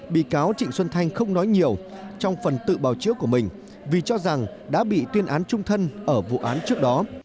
bị cáo trịnh xuân thanh không nói nhiều trong phần tự bào chữa của mình vì cho rằng đã bị tuyên án trung thân ở vụ án trước đó